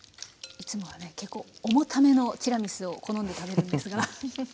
いつもはね結構重ためのティラミスを好んで食べるんですが。